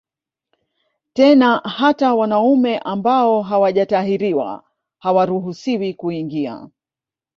Tena hata wanaume ambao hawajatahiriwa hawaruhusiwi kuingia